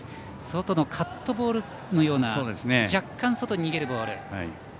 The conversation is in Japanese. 外のカットボールのような若干、外に逃げるボール。